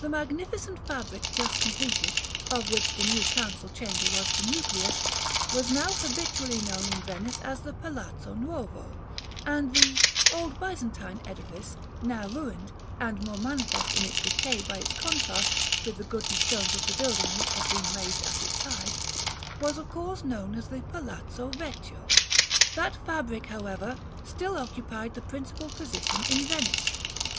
The magnificent fabric just completed, of which the new Council Chamber was the nucleus, was now habitually known in Venice as the "Palazzo Nuovo;" and the old Byzantine edifice, now ruinous, and more manifest in its decay by its contrast with the goodly stones of the building which had been raised at its side, was of course known as the "Palazzo Vecchio." That fabric, however, still occupied the principal position in Venice.